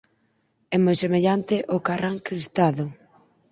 É moi semellante ó carrán cristado.